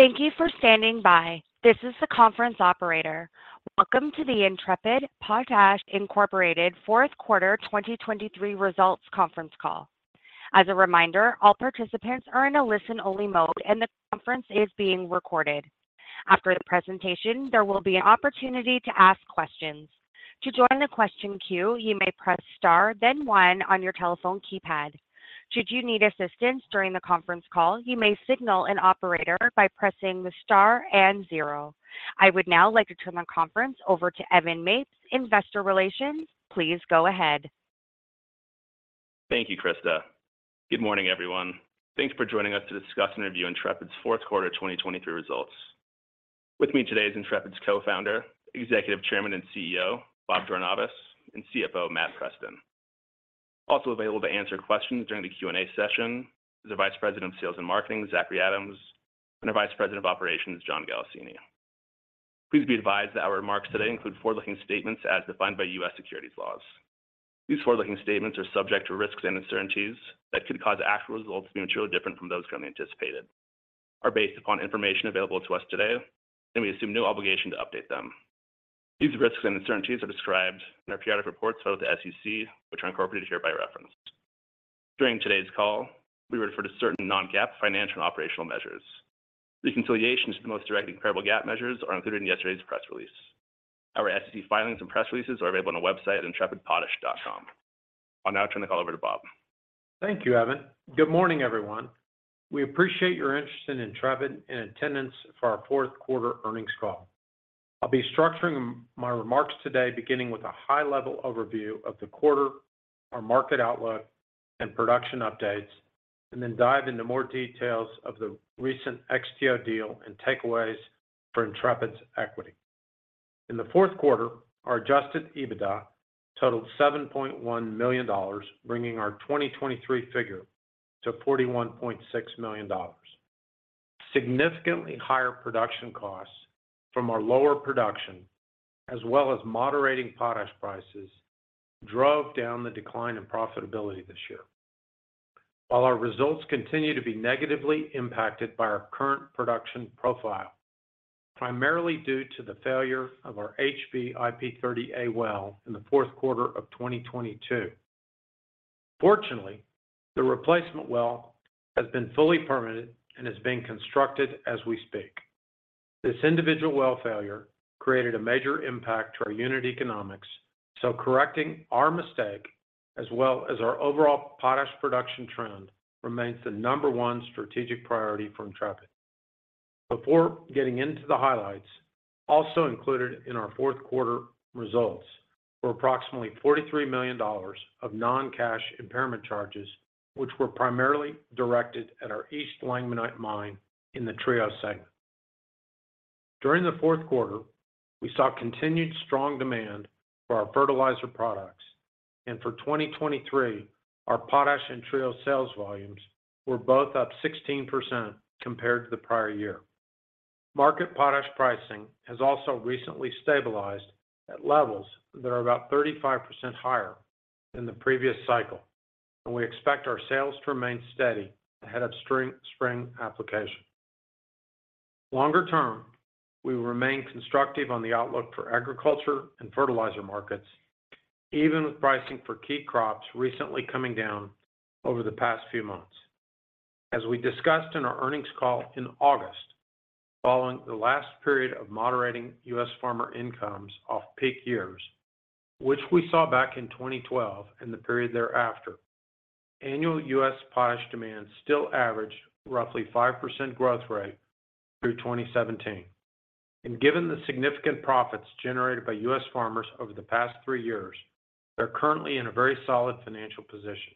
Thank you for standing by. This is the conference operator. Welcome to the Intrepid Potash Incorporated 4th quarter 2023 results conference call. As a reminder, all participants are in a listen-only mode and the conference is being recorded. After the presentation, there will be an opportunity to ask questions. To join the question queue, you may press star, then one on your telephone keypad. Should you need assistance during the conference call, you may signal an operator by pressing the star and zero. I would now like to turn the conference over to Evan Mapes, Investor Relations. Please go ahead. Thank you, Krista. Good morning, everyone. Thanks for joining us to discuss and review Intrepid's 4th quarter 2023 results. With me today is Intrepid's co-founder, executive chairman, and CEO, Bob Jornayvaz, and CFO, Matt Preston. Also available to answer questions during the Q&A session is our vice president of sales and marketing, Zachary Adams, and our vice president of operations, John Galassini. Please be advised that our remarks today include forward-looking statements as defined by US securities laws. These forward-looking statements are subject to risks and uncertainties that could cause actual results to be materially different from those currently anticipated. Are based upon information available to us today, and we assume no obligation to update them. These risks and uncertainties are described in our periodic reports filed with the SEC, which are incorporated here by reference. During today's call, we refer to certain non-GAAP financial and operational measures. Reconciliations to the most direct and comparable GAAP measures are included in yesterday's press release. Our SEC filings and press releases are available on our website, intrepidpotash.com. I'll now turn the call over to Bob. Thank you, Evan. Good morning, everyone. We appreciate your interest in Intrepid and attendance for our 4th quarter earnings call. I'll be structuring my remarks today beginning with a high-level overview of the quarter, our market outlook, and production updates, and then dive into more details of the recent XTO deal and takeaways for Intrepid's equity. In the 4th quarter, our Adjusted EBITDA totaled $7.1 million, bringing our 2023 figure to $41.6 million. Significantly higher production costs from our lower production, as well as moderating potash prices, drove down the decline in profitability this year. While our results continue to be negatively impacted by our current production profile, primarily due to the failure of our IP30A well in the 4th quarter of 2022, fortunately, the replacement well has been fully permitted and is being constructed as we speak. This individual well failure created a major impact to our unit economics, so correcting our mistake as well as our overall potash production trend remains the number one strategic priority for Intrepid. Before getting into the highlights, also included in our 4th quarter results were approximately $43 million of non-cash impairment charges, which were primarily directed at our East langbeinite mine in the Trio segment. During the 4th quarter, we saw continued strong demand for our fertilizer products, and for 2023, our potash and Trio sales volumes were both up 16% compared to the prior year. Market potash pricing has also recently stabilized at levels that are about 35% higher than the previous cycle, and we expect our sales to remain steady ahead of spring application. Longer term, we will remain constructive on the outlook for agriculture and fertilizer markets, even with pricing for key crops recently coming down over the past few months. As we discussed in our earnings call in August, following the last period of moderating US farmer incomes off peak years, which we saw back in 2012 and the period thereafter, annual US potash demand still averaged roughly 5% growth rate through 2017. Given the significant profits generated by US farmers over the past three years, they're currently in a very solid financial position.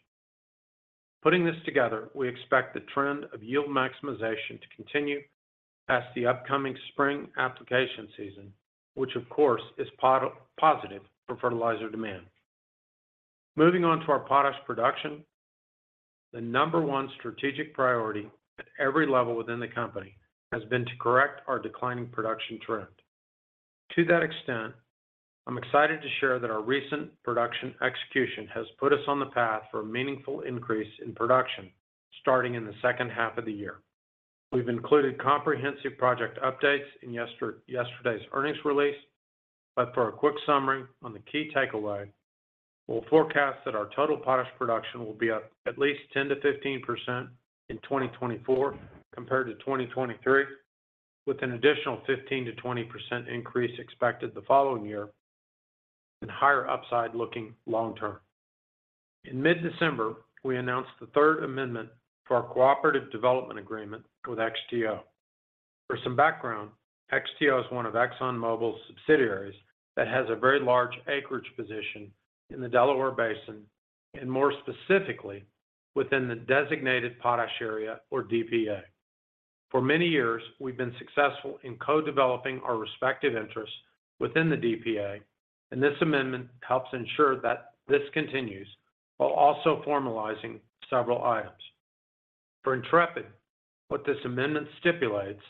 Putting this together, we expect the trend of yield maximization to continue past the upcoming spring application season, which, of course, is positive for fertilizer demand. Moving on to our potash production, the number one strategic priority at every level within the company has been to correct our declining production trend. To that extent, I'm excited to share that our recent production execution has put us on the path for a meaningful increase in production starting in the second half of the year. We've included comprehensive project updates in yesterday's earnings release, but for a quick summary on the key takeaway, we'll forecast that our total potash production will be up at least 10%-15% in 2024 compared to 2023, with an additional 15%-20% increase expected the following year and higher upside looking long term. In mid-December, we announced the Third Amendment to our cooperative development agreement with XTO. For some background, XTO is one of ExxonMobil's subsidiaries that has a very large acreage position in the Delaware Basin and more specifically within the Designated Potash Area or DPA. For many years, we've been successful in co-developing our respective interests within the DPA, and this amendment helps ensure that this continues while also formalizing several items. For Intrepid, what this amendment stipulates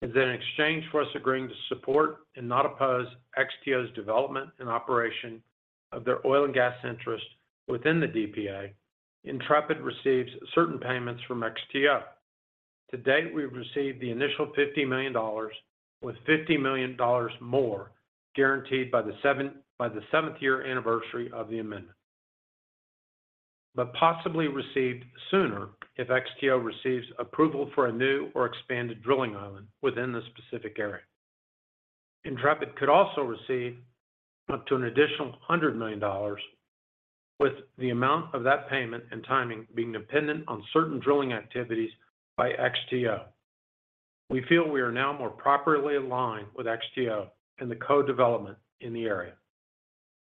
is that in exchange for us agreeing to support and not oppose XTO's development and operation of their oil and gas interest within the DPA, Intrepid receives certain payments from XTO. To date, we've received the initial $50 million with $50 million more guaranteed by the seventh-year anniversary of the amendment, but possibly received sooner if XTO receives approval for a new or expanded drilling island within the specific area. Intrepid could also receive up to an additional $100 million, with the amount of that payment and timing being dependent on certain drilling activities by XTO. We feel we are now more properly aligned with XTO and the co-development in the area.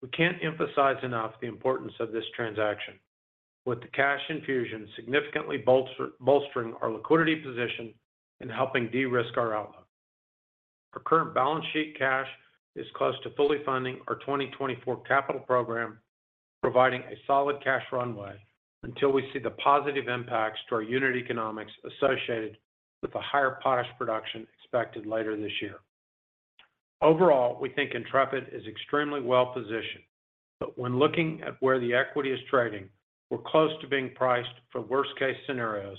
We can't emphasize enough the importance of this transaction, with the cash infusion significantly bolstering our liquidity position and helping de-risk our outlook. Our current balance sheet cash is close to fully funding our 2024 capital program, providing a solid cash runway until we see the positive impacts to our unit economics associated with the higher potash production expected later this year. Overall, we think Intrepid is extremely well positioned, but when looking at where the equity is trading, we're close to being priced for worst-case scenarios,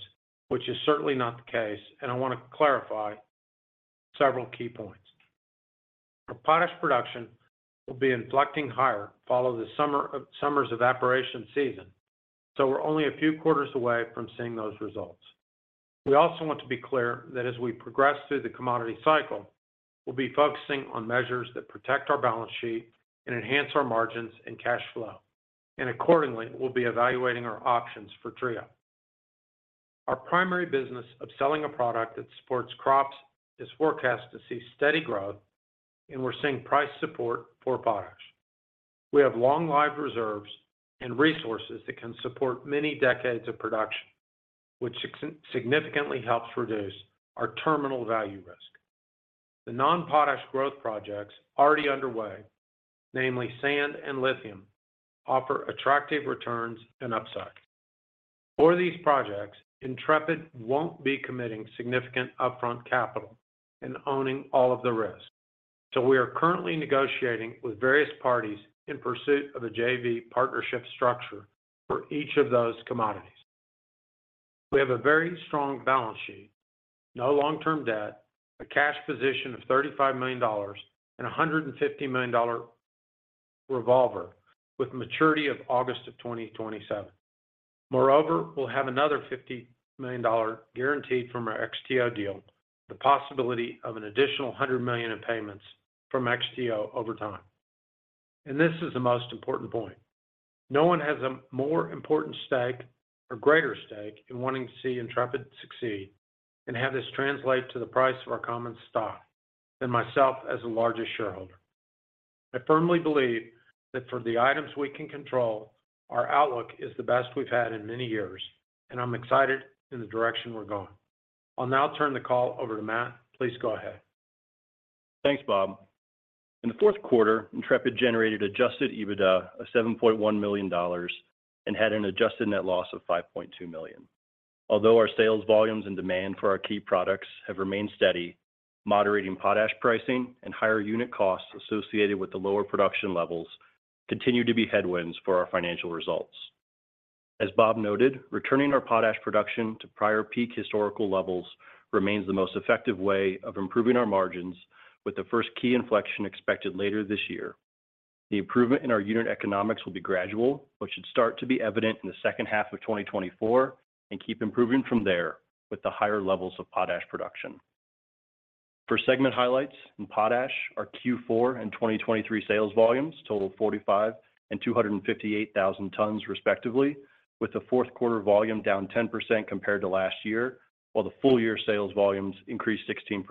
which is certainly not the case, and I want to clarify several key points. Our potash production will be inflecting higher following the summer application season, so we're only a few quarters away from seeing those results. We also want to be clear that as we progress through the commodity cycle, we'll be focusing on measures that protect our balance sheet and enhance our margins and cash flow, and accordingly, we'll be evaluating our options for Trio. Our primary business of selling a product that supports crops is forecast to see steady growth, and we're seeing price support for potash. We have long-lived reserves and resources that can support many decades of production, which significantly helps reduce our terminal value risk. The non-potash growth projects already underway, namely sand and lithium, offer attractive returns and upside. For these projects, Intrepid won't be committing significant upfront capital and owning all of the risk, so we are currently negotiating with various parties in pursuit of a JV partnership structure for each of those commodities. We have a very strong balance sheet, no long-term debt, a cash position of $35 million, and a $150 million revolver with maturity of August of 2027. Moreover, we'll have another $50 million guaranteed from our XTO deal, the possibility of an additional $100 million in payments from XTO over time. This is the most important point. No one has a more important stake or greater stake in wanting to see Intrepid succeed and have this translate to the price of our common stock than myself as the largest shareholder. I firmly believe that for the items we can control, our outlook is the best we've had in many years, and I'm excited in the direction we're going. I'll now turn the call over to Matt. Please go ahead. Thanks, Bob. In the fourth quarter, Intrepid generated adjusted EBITDA of $7.1 million and had an adjusted net loss of $5.2 million. Although our sales volumes and demand for our key products have remained steady, moderating potash pricing and higher unit costs associated with the lower production levels continue to be headwinds for our financial results. As Bob noted, returning our potash production to prior peak historical levels remains the most effective way of improving our margins, with the first key inflection expected later this year. The improvement in our unit economics will be gradual, but should start to be evident in the second half of 2024 and keep improving from there with the higher levels of potash production. For segment highlights in potash, our Q4 and 2023 sales volumes totaled 45,000 and 258,000 tons, respectively, with the 4th quarter volume down 10% compared to last year, while the full-year sales volumes increased 16%.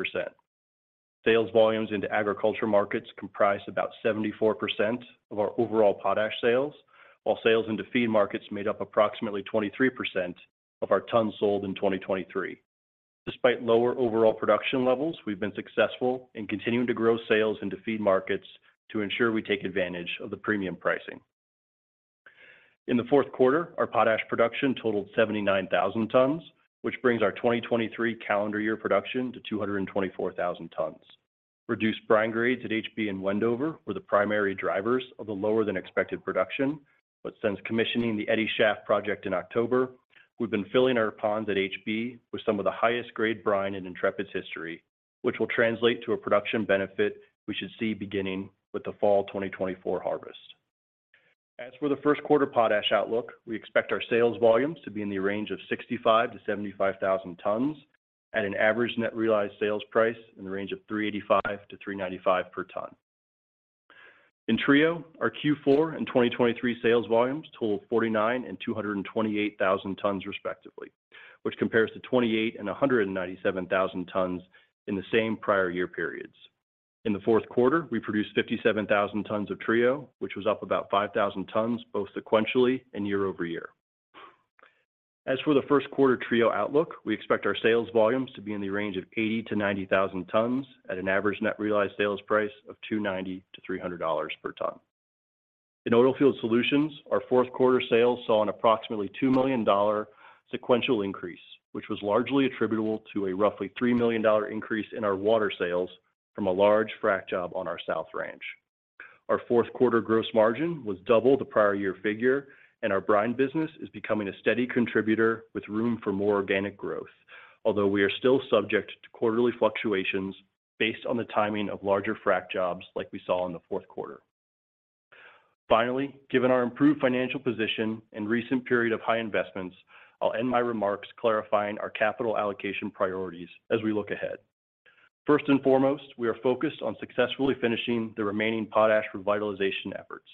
Sales volumes into agriculture markets comprise about 74% of our overall potash sales, while sales into feed markets made up approximately 23% of our tons sold in 2023. Despite lower overall production levels, we've been successful in continuing to grow sales into feed markets to ensure we take advantage of the premium pricing. In the 4th quarter, our potash production totaled 79,000 tons, which brings our 2023 calendar year production to 224,000 tons. Reduced brine grades at HB and Wendover were the primary drivers of the lower-than-expected production, but since commissioning the Eddy Shaft project in October, we've been filling our ponds at HB with some of the highest-grade brine in Intrepid's history, which will translate to a production benefit we should see beginning with the fall 2024 harvest. As for the first quarter potash outlook, we expect our sales volumes to be in the range of 65,000-75,000 tons, at an average net realized sales price in the range of $385,000-$395,000 per ton. In Trio, our Q4 and 2023 sales volumes totaled 49,000 and 228,000 tons, respectively, which compares to 28,000 and 197,000 tons in the same prior year periods. In the fourth quarter, we produced 57,000 tons of Trio, which was up about 5,000 tons both sequentially and year-over-year. As for the first quarter Trio outlook, we expect our sales volumes to be in the range of 80,000-90,000 tons, at an average net realized sales price of $290,000-$300,000 per ton. In Oilfield Solutions, our fourth quarter sales saw an approximately $2 million sequential increase, which was largely attributable to a roughly $3 million increase in our water sales from a large frack job on our South Ranch. Our fourth quarter gross margin was double the prior year figure, and our brine business is becoming a steady contributor with room for more organic growth, although we are still subject to quarterly fluctuations based on the timing of larger frack jobs like we saw in the fourth quarter. Finally, given our improved financial position and recent period of high investments, I'll end my remarks clarifying our capital allocation priorities as we look ahead. First and foremost, we are focused on successfully finishing the remaining potash revitalization efforts.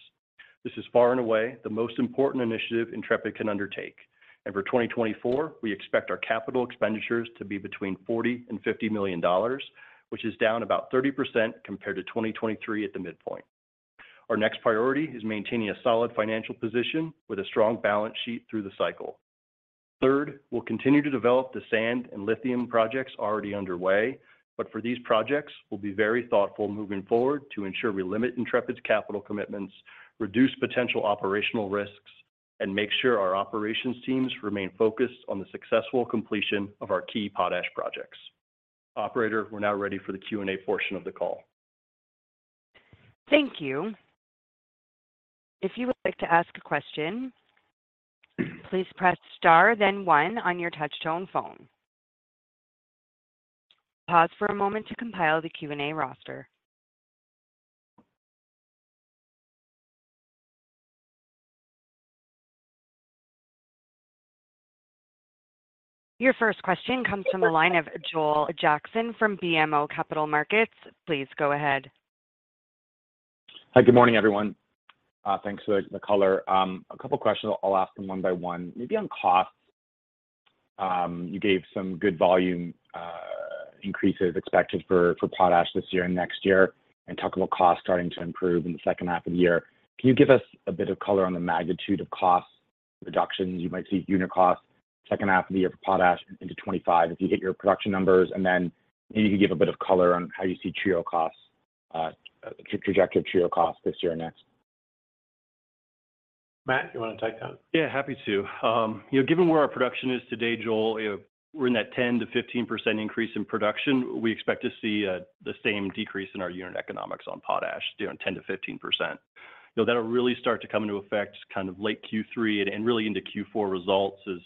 This is far and away the most important initiative Intrepid can undertake, and for 2024, we expect our capital expenditures to be between $40 million and $50 million, which is down about 30% compared to 2023 at the midpoint. Our next priority is maintaining a solid financial position with a strong balance sheet through the cycle. Third, we'll continue to develop the sand and lithium projects already underway, but for these projects, we'll be very thoughtful moving forward to ensure we limit Intrepid's capital commitments, reduce potential operational risks, and make sure our operations teams remain focused on the successful completion of our key potash projects. Operator, we're now ready for the Q&A portion of the call. Thank you. If you would like to ask a question, please press star then one on your touch-tone phone. Pause for a moment to compile the Q&A roster. Your first question comes from the line of Joel Jackson from BMO Capital Markets. Please go ahead. Hi. Good morning, everyone. Thanks for the color. A couple of questions. I'll ask them one by one. Maybe on costs. You gave some good volume increases expected for potash this year and next year and talk about costs starting to improve in the second half of the year. Can you give us a bit of color on the magnitude of cost reductions you might see, unit costs, second half of the year for potash into 2025 if you hit your production numbers? And then maybe you could give a bit of color on how you see trio costs, trajectory of trio costs this year and next. Matt, you want to take that? Yeah, happy to. Given where our production is today, Joel, we're in that 10%-15% increase in production. We expect to see the same decrease in our unit economics on potash, 10%-15%. That'll really start to come into effect kind of late Q3 and really into Q4 results as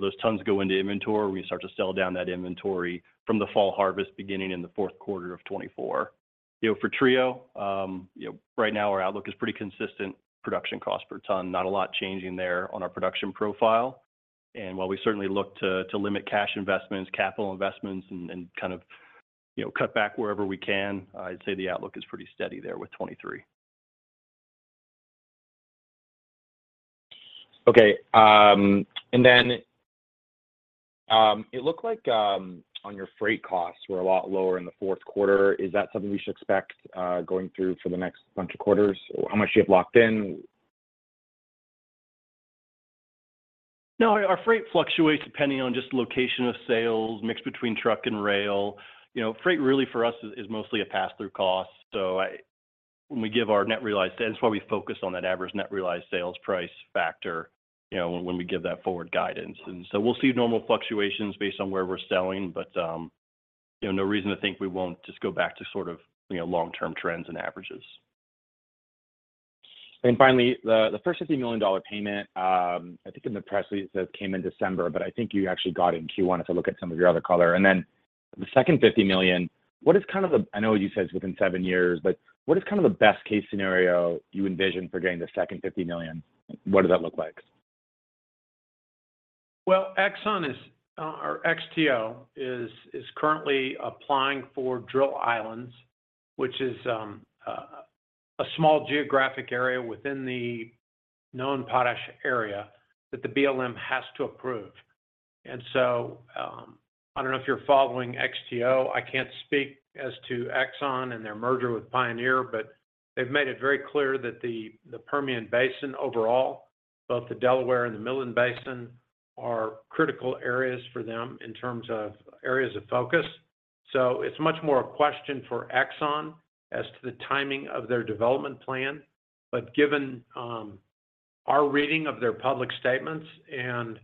those tons go into inventory when you start to sell down that inventory from the fall harvest beginning in the 4th quarter of 2024. For trio, right now, our outlook is pretty consistent: production cost per ton, not a lot changing there on our production profile. And while we certainly look to limit cash investments, capital investments, and kind of cut back wherever we can, I'd say the outlook is pretty steady there with 2023. Okay. Then it looked like on your freight costs, we're a lot lower in the 4th quarter. Is that something we should expect going through for the next bunch of quarters? How much do you have locked in? No, our freight fluctuates depending on just the location of sales, mixed between truck and rail. Freight, really, for us is mostly a pass-through cost. So when we give our net realized and that's why we focus on that average net realized sales price factor when we give that forward guidance. And so we'll see normal fluctuations based on where we're selling, but no reason to think we won't just go back to sort of long-term trends and averages. Finally, the first $50 million payment, I think in the press release it says came in December, but I think you actually got in Q1 if I look at some of your other color. Then the second $50 million, what is kind of the—I know you said it's within seven years, but what is kind of the best-case scenario you envision for getting the second $50 million? What does that look like? Well, Exxon, or XTO, is currently applying for drilling islands, which is a small geographic area within the known potash area that the BLM has to approve. And so I don't know if you're following XTO. I can't speak as to Exxon and their merger with Pioneer, but they've made it very clear that the Permian Basin overall, both the Delaware and the Midland Basin, are critical areas for them in terms of areas of focus. So it's much more a question for Exxon as to the timing of their development plan. But given our reading of their public statements and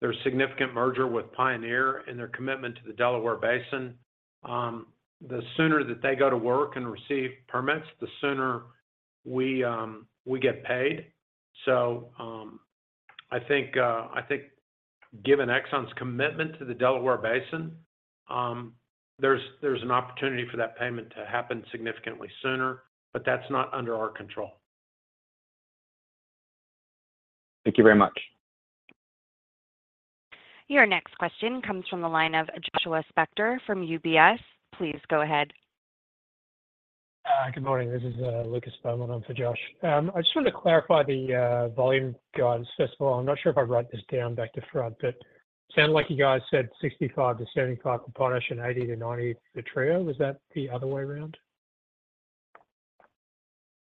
their significant merger with Pioneer and their commitment to the Delaware Basin, the sooner that they go to work and receive permits, the sooner we get paid. So I think given Exxon's commitment to the Delaware Basin, there's an opportunity for that payment to happen significantly sooner, but that's not under our control. Thank you very much. Your next question comes from the line of Joshua Spector from UBS. Please go ahead. Good morning. This is Lucas Feroli. I'm for Josh. I just wanted to clarify the volume guidance. First of all, I'm not sure if I've written this down back to front, but it sounded like you guys said 65-75 for potash and 80-90 for Trio. Was that the other way around?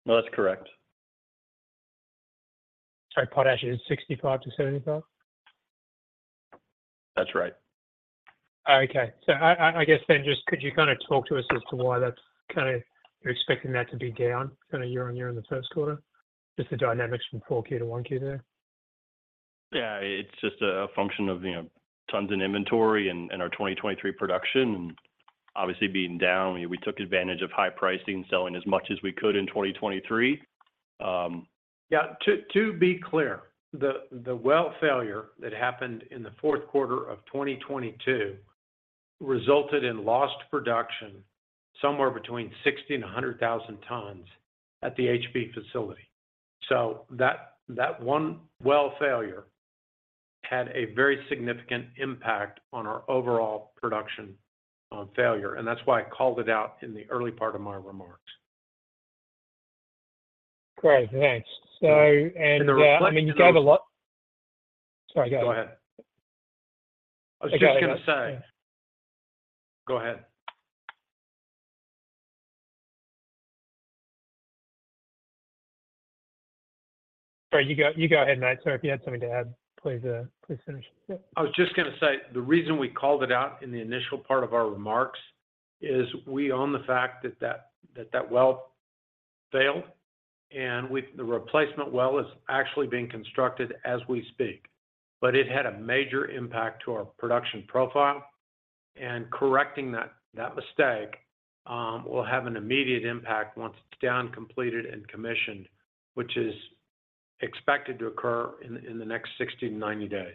No, that's correct. Sorry. Potash is 65-75? That's right. Okay. So I guess then just could you kind of talk to us as to why that's kind of you're expecting that to be down kind of year on year in the first quarter? Just the dynamics from 4Q to 1Q there? Yeah. It's just a function of tons in inventory and our 2023 production. And obviously, being down, we took advantage of high pricing and selling as much as we could in 2023. Yeah. To be clear, the well failure that happened in the 4th quarter of 2022 resulted in lost production somewhere between 60,000 and 100,000 tons at the HB facility. So that one well failure had a very significant impact on our overall production failure. And that's why I called it out in the early part of my remarks. Great. Thanks. And I mean, you gave a lot, sorry, go ahead. Go ahead. I was just going to say go ahead. Sorry. You go ahead, Matt. Sorry. If you had something to add, please finish. I was just going to say the reason we called it out in the initial part of our remarks is we own the fact that that well failed, and the replacement well is actually being constructed as we speak. But it had a major impact to our production profile. And correcting that mistake will have an immediate impact once it's down, completed, and commissioned, which is expected to occur in the next 60-90 days.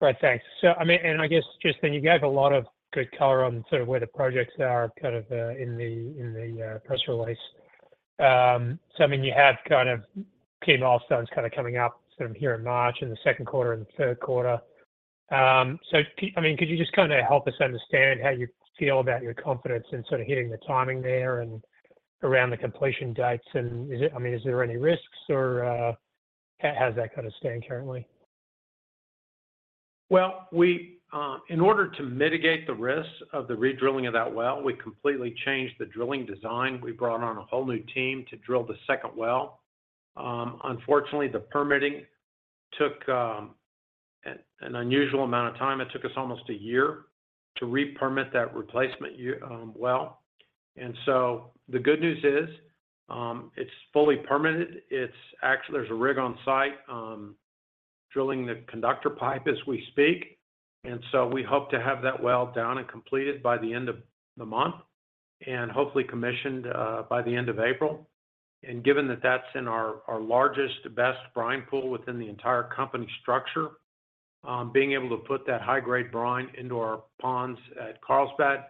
Great. Thanks. So I mean, and I guess just then you gave a lot of good color on sort of where the projects are kind of in the press release. So I mean, you have kind of milestones kind of coming up sort of here in March, in the second quarter, in the third quarter. So I mean, could you just kind of help us understand how you feel about your confidence in sort of hitting the timing there and around the completion dates? And I mean, is there any risks, or how's that kind of stand currently? Well, in order to mitigate the risks of the redrilling of that well, we completely changed the drilling design. We brought on a whole new team to drill the second well. Unfortunately, the permitting took an unusual amount of time. It took us almost a year to repermit that replacement well. And so the good news is it's fully permitted. There's a rig on site drilling the conductor pipe as we speak. And so we hope to have that well down and completed by the end of the month and hopefully commissioned by the end of April. And given that that's in our largest, best brine pool within the entire company structure, being able to put that high-grade brine into our ponds at Carlsbad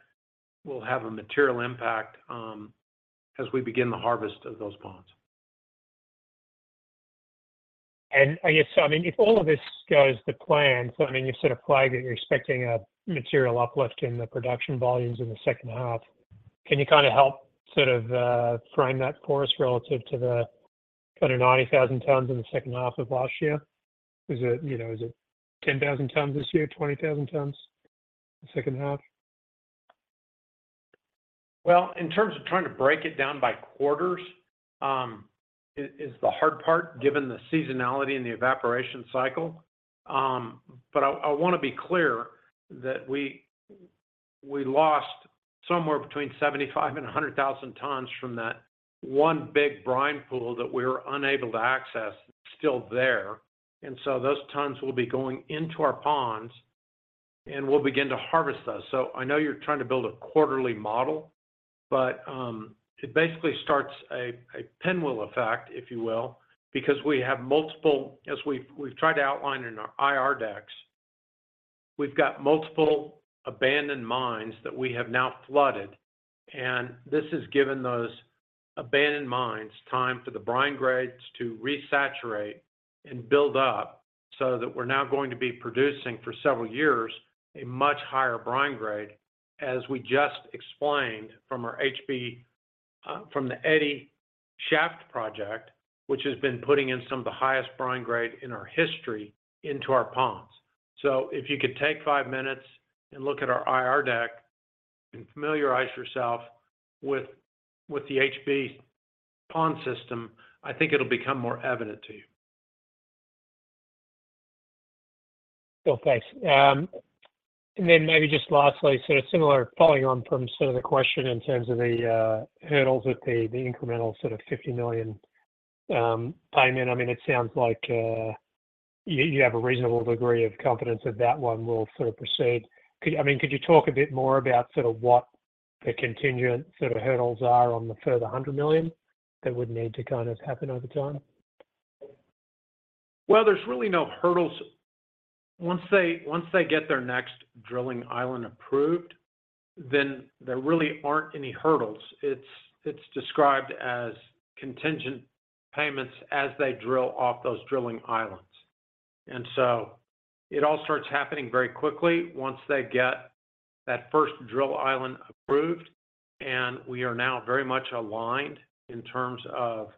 will have a material impact as we begin the harvest of those ponds. I guess so I mean, if all of this goes to plan, so I mean, you've set a flag that you're expecting a material uplift in the production volumes in the second half. Can you kind of help sort of frame that for us relative to the kind of 90,000 tons in the second half of last year? Is it 10,000 tons this year, 20,000 tons the second half? Well, in terms of trying to break it down by quarters is the hard part given the seasonality and the evaporation cycle. But I want to be clear that we lost somewhere between 75,000-100,000 tons from that one big brine pool that we were unable to access still there. And so those tons will be going into our ponds, and we'll begin to harvest those. So I know you're trying to build a quarterly model, but it basically starts a pinwheel effect, if you will, because we have multiple as we've tried to outline in our IR decks, we've got multiple abandoned mines that we have now flooded. This has given those abandoned mines time for the brine grades to resaturate and build up so that we're now going to be producing for several years a much higher brine grade, as we just explained from the Eddy Shaft project, which has been putting in some of the highest brine grade in our history into our ponds. So if you could take five minutes and look at our IR deck and familiarize yourself with the HB pond system, I think it'll become more evident to you. Cool. Thanks. And then maybe just lastly, sort of similar following on from sort of the question in terms of the hurdles with the incremental sort of $50 million payment, I mean, it sounds like you have a reasonable degree of confidence that that one will sort of proceed. I mean, could you talk a bit more about sort of what the contingent sort of hurdles are on the further $100 million that would need to kind of happen over time? Well, there's really no hurdles. Once they get their next Drilling Island approved, then there really aren't any hurdles. It's described as contingent payments as they drill off those Drilling Islands. And so it all starts happening very quickly once they get that first Drilling Island approved. And we are now very much aligned in terms of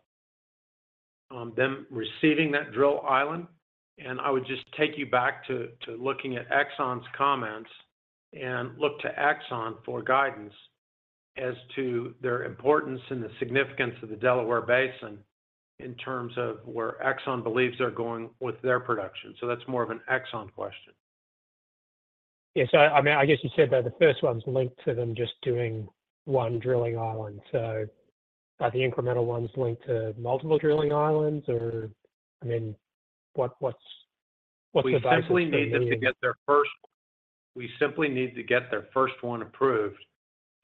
them receiving that Drilling Island. And I would just take you back to looking at Exxon's comments and look to Exxon for guidance as to their importance and the significance of the Delaware Basin in terms of where Exxon believes they're going with their production. So that's more of an Exxon question. Yeah. So I mean, I guess you said that the first one's linked to them just doing one drilling island. So are the incremental ones linked to multiple drilling islands, or I mean, what's the basis? We simply need them to get their first one approved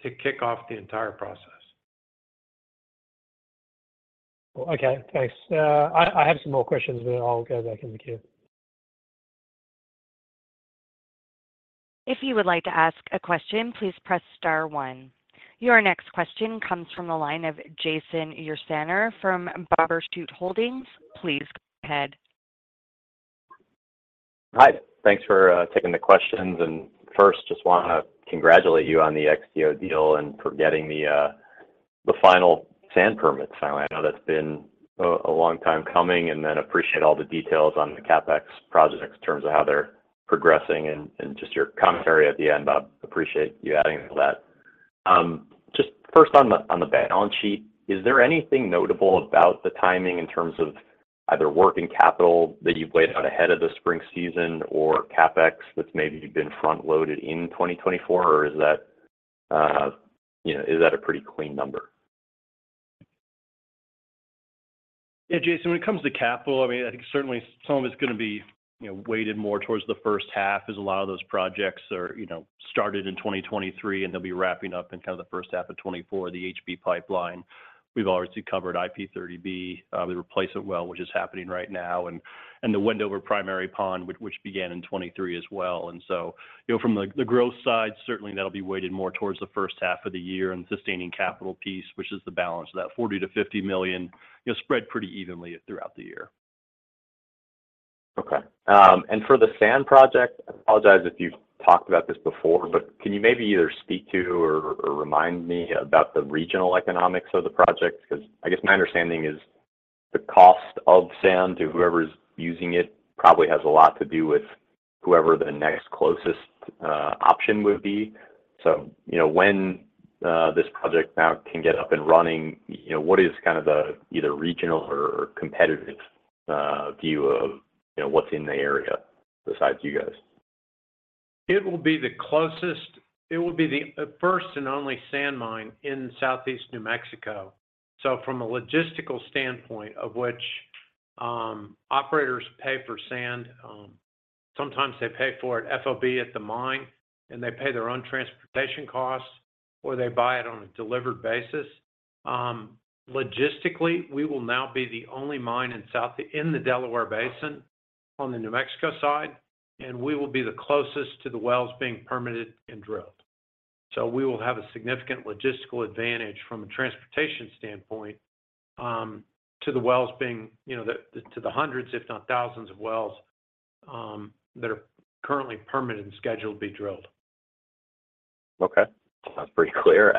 to kick off the entire process. Okay. Thanks. I have some more questions, but I'll go back in the queue. If you would like to ask a question, please press star 1. Your next question comes from the line of Jason Ursaner from Bumbershoot Holdings. Please go ahead. Hi. Thanks for taking the questions. And first, just want to congratulate you on the XTO deal and for getting the final sand permit, finally. I know that's been a long time coming. And then appreciate all the details on the CapEx projects in terms of how they're progressing and just your commentary at the end. I appreciate you adding to that. Just first on the balance sheet, is there anything notable about the timing in terms of either working capital that you've laid out ahead of the spring season or CapEx that's maybe been front-loaded in 2024, or is that a pretty clean number? Yeah, Jason. When it comes to capital, I mean, I think certainly some of it's going to be weighted more towards the first half as a lot of those projects are started in 2023, and they'll be wrapping up in kind of the first half of 2024, the HB pipeline. We've already covered IP30B, the replacement well, which is happening right now, and the Wendover primary pond, which began in 2023 as well. And so from the growth side, certainly, that'll be weighted more towards the first half of the year and the sustaining capital piece, which is the balance. So that $40 million-$50 million spread pretty evenly throughout the year. Okay. And for the sand project, I apologize if you've talked about this before, but can you maybe either speak to or remind me about the regional economics of the project? Because I guess my understanding is the cost of sand to whoever's using it probably has a lot to do with whoever the next closest option would be. So when this project now can get up and running, what is kind of the either regional or competitive view of what's in the area besides you guys? It will be the closest. It will be the first and only sand mine in Southeast New Mexico. So from a logistical standpoint of which operators pay for sand, sometimes they pay for it FOB at the mine, and they pay their own transportation costs, or they buy it on a delivered basis. Logistically, we will now be the only mine in the Delaware Basin on the New Mexico side, and we will be the closest to the wells being permitted and drilled. So we will have a significant logistical advantage from a transportation standpoint to the wells being to the hundreds, if not thousands, of wells that are currently permitted and scheduled to be drilled. Okay. Sounds pretty clear.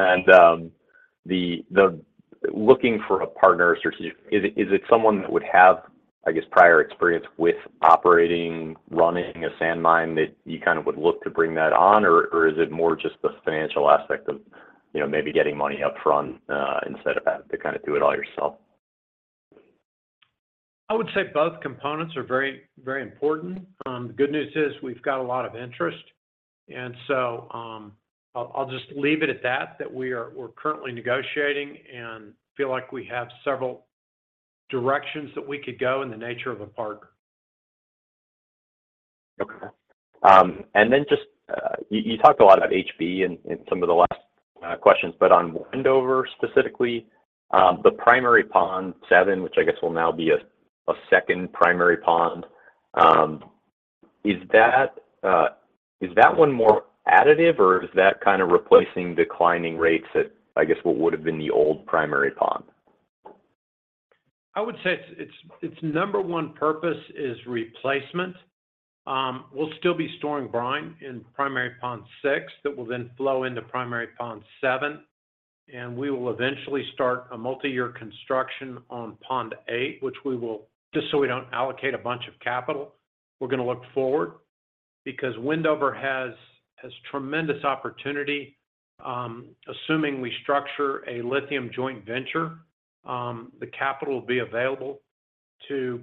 Looking for a partner or strategic, is it someone that would have, I guess, prior experience with operating, running a sand mine that you kind of would look to bring that on, or is it more just the financial aspect of maybe getting money upfront instead of having to kind of do it all yourself? I would say both components are very, very important. The good news is we've got a lot of interest. And so I'll just leave it at that, that we're currently negotiating and feel like we have several directions that we could go in the nature of a partner. Okay. And then just you talked a lot about HB in some of the last questions, but on Wendover specifically, the primary pond, seven, which I guess will now be a second primary pond, is that one more additive, or is that kind of replacing declining rates at, I guess, what would have been the old primary pond? I would say its number one purpose is replacement. We'll still be storing brine in primary Pond six that will then flow into primary Pond seven. We will eventually start a multi-year construction on Pond eight, which we will just so we don't allocate a bunch of capital, we're going to look forward because Wendover has tremendous opportunity. Assuming we structure a lithium joint venture, the capital will be available to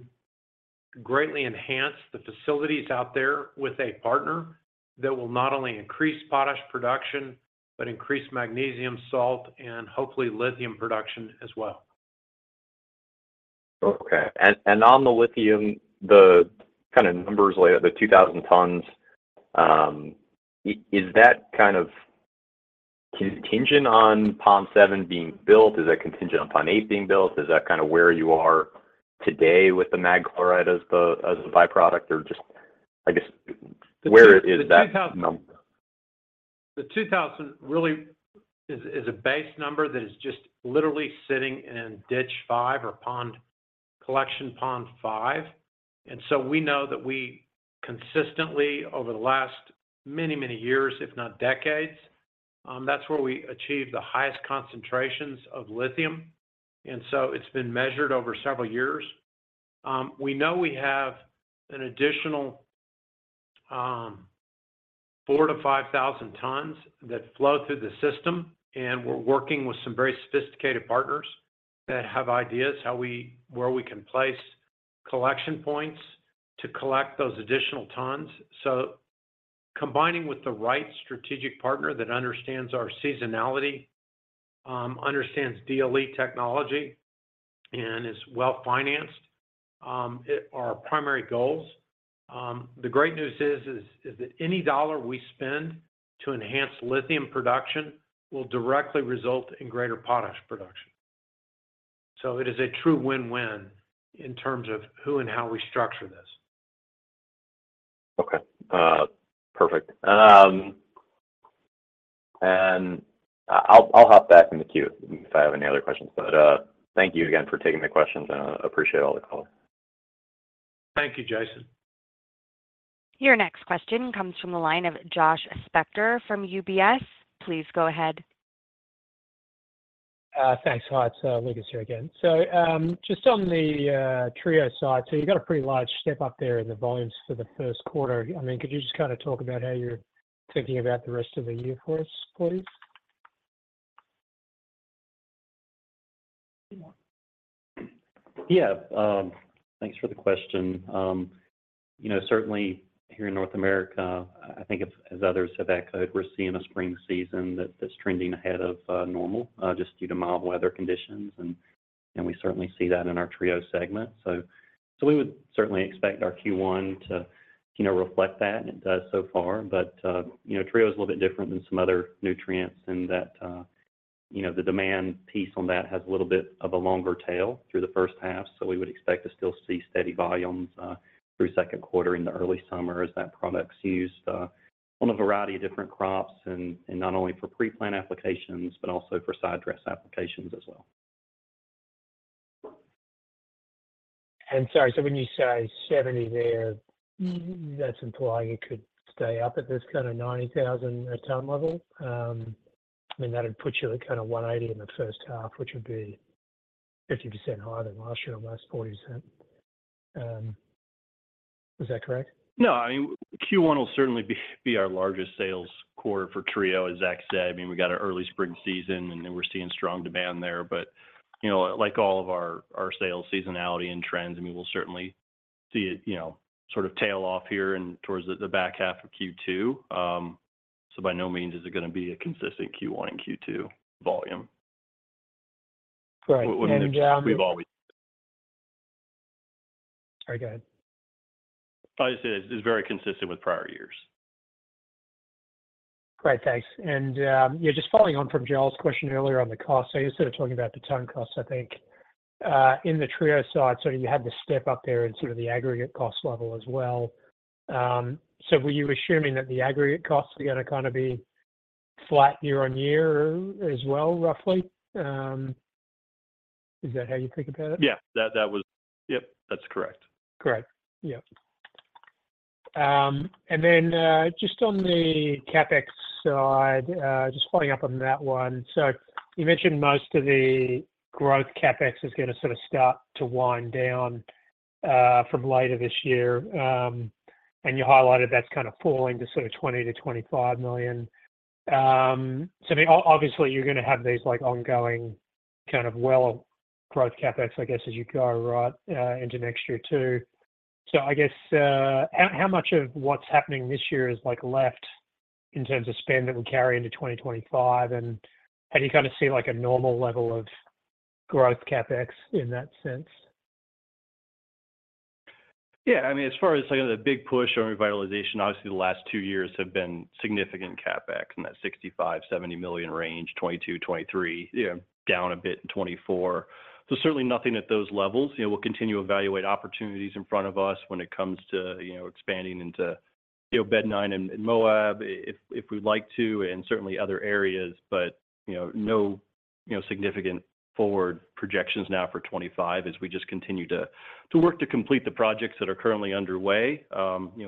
greatly enhance the facilities out there with a partner that will not only increase potash production but increase magnesium, salt, and hopefully lithium production as well. Okay. And on the lithium, the kind of numbers later, the 2,000 tons, is that kind of contingent on Pond seven being built? Is that contingent on Pond eight being built? Is that kind of where you are today with the mag chloride as a byproduct, or just, I guess, where is that number? The 2,000 really is a base number that is just literally sitting in Ditch five or collection pond five. And so we know that we consistently over the last many, many years, if not decades, that's where we achieved the highest concentrations of lithium. And so it's been measured over several years. We know we have an additional 4,000-5,000 tons that flow through the system, and we're working with some very sophisticated partners that have ideas where we can place collection points to collect those additional tons. So combining with the right strategic partner that understands our seasonality, understands DLE technology, and is well-financed are our primary goals. The great news is that any dollar we spend to enhance lithium production will directly result in greater potash production. So it is a true win-win in terms of who and how we structure this. Okay. Perfect. And I'll hop back in the queue if I have any other questions. But thank you again for taking the questions. I appreciate all the calls. Thank you, Jason. Your next question comes from the line of Josh Spector from UBS. Please go ahead. Thanks. Hi. It's Lucas here again. So just on the Trio side, so you've got a pretty large step up there in the volumes for the first quarter. I mean, could you just kind of talk about how you're thinking about the rest of the year for us, please? Yeah. Thanks for the question. Certainly, here in North America, I think as others have echoed, we're seeing a spring season that's trending ahead of normal just due to mild weather conditions. And we certainly see that in our Trio segment. So we would certainly expect our Q1 to reflect that, and it does so far. But Trio is a little bit different than some other nutrients in that the demand piece on that has a little bit of a longer tail through the first half. So we would expect to still see steady volumes through second quarter in the early summer as that product's used on a variety of different crops and not only for preplant applications but also for side dress applications as well. Sorry. So when you say 70 there, that's implying it could stay up at this kind of $90,000-a-ton level? I mean, that would put you at kind of $180 in the first half, which would be 50% higher than last year or last 40%. Is that correct? No. I mean, Q1 will certainly be our largest sales quarter for Trio, as Zach said. I mean, we got an early spring season, and then we're seeing strong demand there. But like all of our sales seasonality and trends, I mean, we'll certainly see it sort of tail off here and towards the back half of Q2. So by no means is it going to be a consistent Q1 and Q2 volume. Right. And. We've always been. Sorry. Go ahead. I was going to say it's very consistent with prior years. Right. Thanks. And yeah, just following on from Joel's question earlier on the cost, so you're sort of talking about the ton cost, I think. In the Trio side, sort of you had the step up there in sort of the aggregate cost level as well. So were you assuming that the aggregate costs were going to kind of be flat year on year as well, roughly? Is that how you think about it? Yeah. Yep. That's correct. Great. Yep. And then just on the CapEx side, just following up on that one, so you mentioned most of the growth CapEx is going to sort of start to wind down from later this year. And you highlighted that's kind of falling to sort of $20 million-$25 million. So I mean, obviously, you're going to have these ongoing kind of well growth CapEx, I guess, as you go into next year too. So I guess how much of what's happening this year is left in terms of spend that we carry into 2025? And how do you kind of see a normal level of growth CapEx in that sense? Yeah. I mean, as far as the big push on revitalization, obviously, the last two years have been significant CapEx in that $65 million-$70 million range, 2022, 2023, down a bit in 2024. So certainly nothing at those levels. We'll continue to evaluate opportunities in front of us when it comes to expanding into Bed 9 and Moab if we'd like to and certainly other areas. But no significant forward projections now for 2025 as we just continue to work to complete the projects that are currently underway,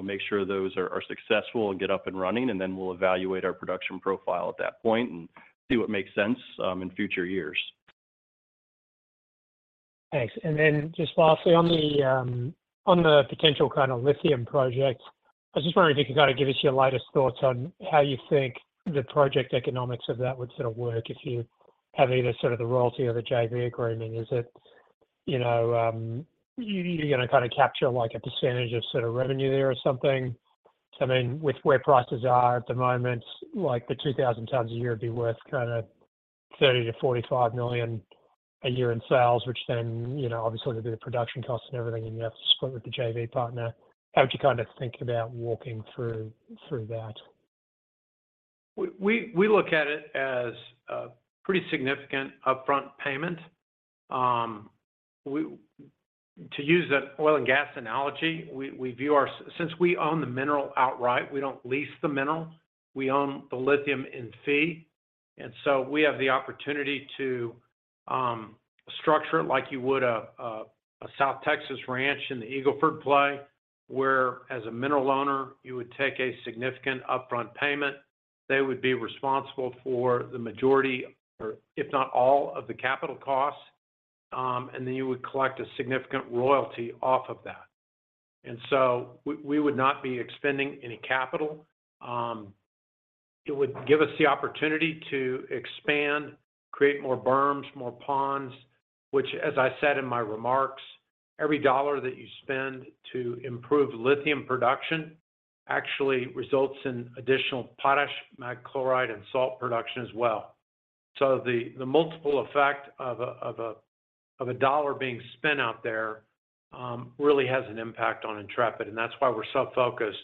make sure those are successful, and get up and running. And then we'll evaluate our production profile at that point and see what makes sense in future years. Thanks. And then just lastly, on the potential kind of lithium project, I just wonder if you could kind of give us your lightest thoughts on how you think the project economics of that would sort of work if you have either sort of the royalty or the JV agreement. Is it you're going to kind of capture a percentage of sort of revenue there or something? So I mean, with where prices are at the moment, the 2,000 tons a year would be worth kind of $30 million-$45 million a year in sales, which then obviously, there'd be the production cost and everything, and you have to split with the JV partner. How would you kind of think about walking through that? We look at it as a pretty significant upfront payment. To use an oil and gas analogy, since we own the mineral outright, we don't lease the mineral. We own the lithium in fee. And so we have the opportunity to structure it like you would a South Texas ranch in the Eagle Ford Play, where as a mineral owner, you would take a significant upfront payment. They would be responsible for the majority or if not all of the capital costs. And then you would collect a significant royalty off of that. And so we would not be expending any capital. It would give us the opportunity to expand, create more berms, more ponds, which, as I said in my remarks, every dollar that you spend to improve lithium production actually results in additional potash, mag chloride, and salt production as well. The multiple effect of a dollar being spent out there really has an impact on Intrepid. That's why we're so focused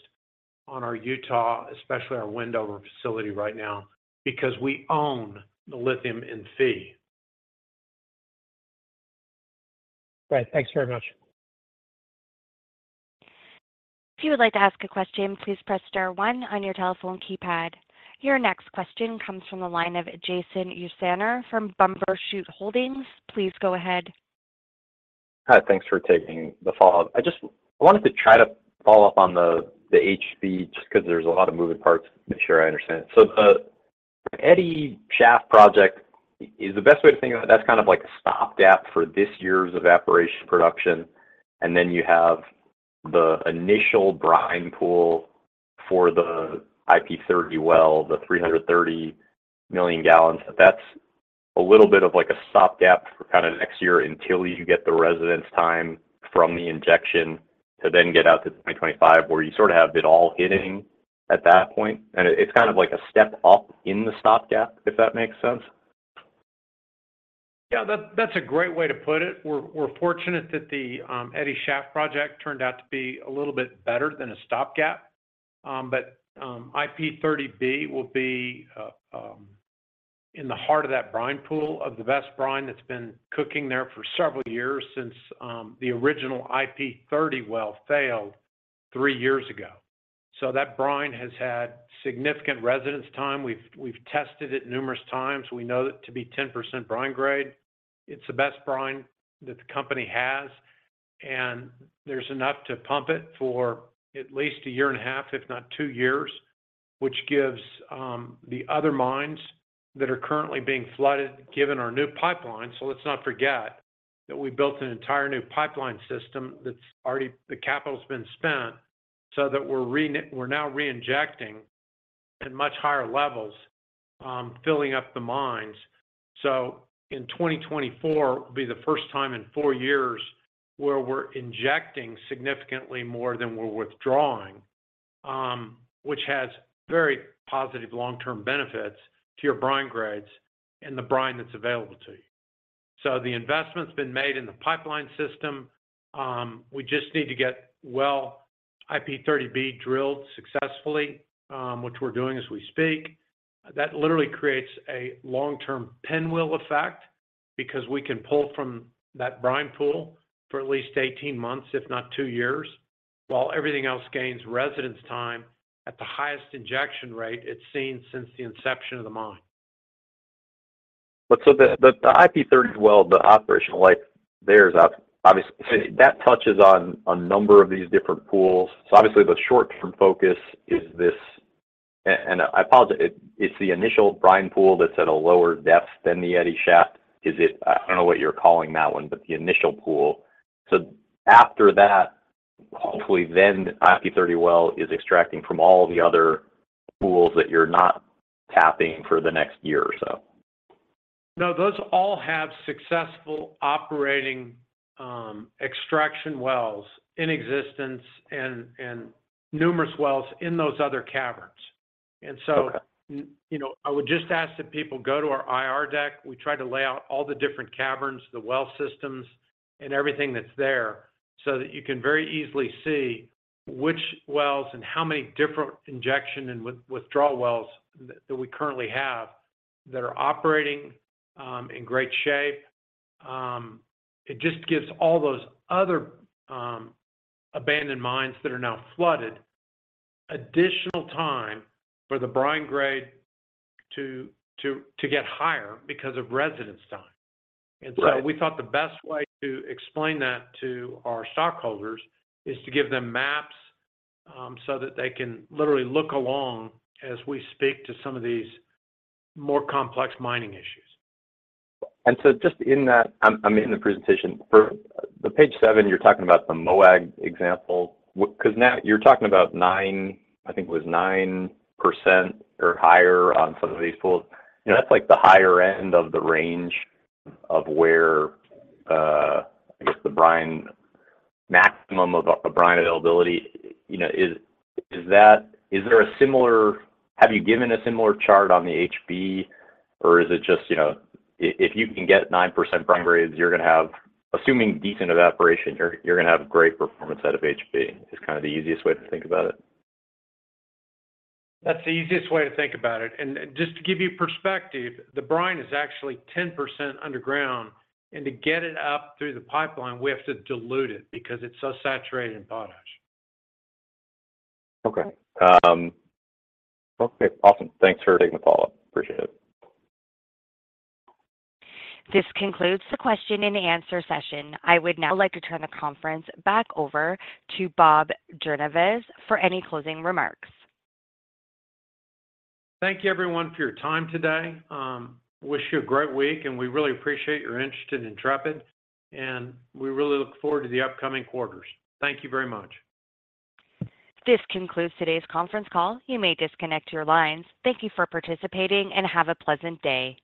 on our Utah, especially our Wendover facility right now, because we own the lithium in fee. Great. Thanks very much. If you would like to ask a question, please press star 1 on your telephone keypad. Your next question comes from the line of Jason Ursaner from Bumbershoot Holdings. Please go ahead. Hi. Thanks for taking the follow-up. I wanted to try to follow up on the HB just because there's a lot of moving parts to make sure I understand. So the Eddy Shaft project, is the best way to think about it? That's kind of like a stopgap for this year's evaporation production. And then you have the initial brine pool for the IP30 well, the 330 million gallons. That's a little bit of a stopgap for kind of next year until you get the residence time from the injection to then get out to 2025 where you sort of have it all hitting at that point. And it's kind of like a step up in the stopgap, if that makes sense. Yeah. That's a great way to put it. We're fortunate that the Eddy Shaft project turned out to be a little bit better than a stopgap. But IP30B will be in the heart of that brine pool of the best brine that's been cooking there for several years since the original IP30 well failed three years ago. So that brine has had significant residence time. We've tested it numerous times. We know it to be 10% brine grade. It's the best brine that the company has. And there's enough to pump it for at least a year and a half, if not two years, which gives the other mines that are currently being flooded, given our new pipeline. So let's not forget that we built an entire new pipeline system that's already the capital's been spent so that we're now reinjecting at much higher levels, filling up the mines. So in 2024, it will be the first time in four years where we're injecting significantly more than we're withdrawing, which has very positive long-term benefits to your brine grades and the brine that's available to you. So the investment's been made in the pipeline system. We just need to get well IP30B drilled successfully, which we're doing as we speak. That literally creates a long-term pinwheel effect because we can pull from that brine pool for at least 18 months, if not two years, while everything else gains residence time at the highest injection rate it's seen since the inception of the mine. But so the IP30 well, the operational life there is obviously so that touches on a number of these different pools. So obviously, the short-term focus is this and I apologize. It's the initial brine pool that's at a lower depth than the Eddy Shaft. I don't know what you're calling that one, but the initial pool. So after that, hopefully, then IP30 well is extracting from all the other pools that you're not tapping for the next year or so. No. Those all have successful operating extraction wells in existence and numerous wells in those other caverns. And so I would just ask that people go to our IR deck. We try to lay out all the different caverns, the well systems, and everything that's there so that you can very easily see which wells and how many different injection and withdrawal wells that we currently have that are operating in great shape. It just gives all those other abandoned mines that are now flooded additional time for the brine grade to get higher because of residence time. And so we thought the best way to explain that to our stockholders is to give them maps so that they can literally look along as we speak to some of these more complex mining issues. So just in that I mean, in the presentation, for page 7, you're talking about the Moab example because now you're talking about 9% I think it was 9% or higher on some of these pools. That's the higher end of the range of where, I guess, the maximum of brine availability is. Is there a similar have you given a similar chart on the HB, or is it just if you can get 9% brine grades, you're going to have assuming decent evaporation, you're going to have great performance out of HB is kind of the easiest way to think about it? That's the easiest way to think about it. Just to give you perspective, the brine is actually 10% underground. To get it up through the pipeline, we have to dilute it because it's so saturated in potash. Okay. Okay. Awesome. Thanks for taking the follow-up. Appreciate it. This concludes the question-and-answer session. I would now like to turn the conference back over to Bob Jornayvaz for any closing remarks. Thank you, everyone, for your time today. Wish you a great week. We really appreciate your interest in Intrepid. We really look forward to the upcoming quarters. Thank you very much. This concludes today's conference call. You may disconnect your lines. Thank you for participating, and have a pleasant day.